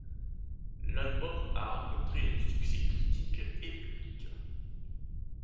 L'album a rencontré un succès critique et public.